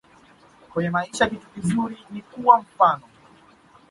Kwenye maisha kitu kizuri ni kuwa mfano